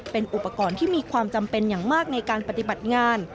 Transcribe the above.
เป็นอุปกรณ์ที่มีความจำเป็นอย่างมากในการปฏิบัติงาน